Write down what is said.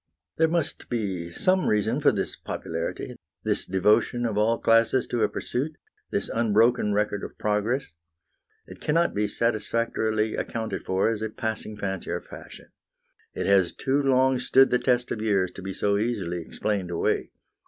There must be some reason for this popularity, this devotion of all classes to a pursuit, this unbroken record of progress. It cannot be satisfactorily accounted for as a passing fancy or fashion. It has too long stood the test of years to be so easily explained away.